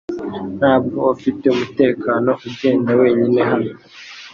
Ntabwo ufite umutekano ugenda wenyine hano .